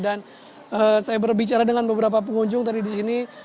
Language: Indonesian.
dan saya berbicara dengan beberapa pengunjung tadi di sini